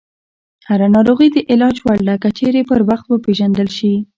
هره ناروغي د علاج وړ ده، که چیرې پر وخت وپېژندل شي.